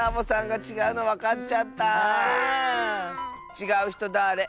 「ちがうひとはだれ？」